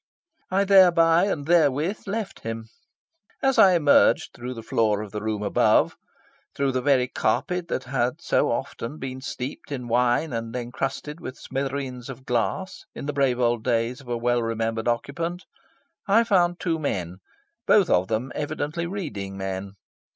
I thereby and therewith left him. As I emerged through the floor of the room above through the very carpet that had so often been steeped in wine, and encrusted with smithereens of glass, in the brave old days of a well remembered occupant I found two men, both of them evidently reading men.